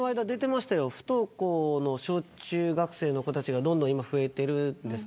不登校の小中学生の子たちがどんどん増えているそうです。